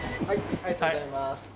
ありがとうございます。